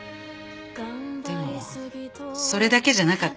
でもそれだけじゃなかった。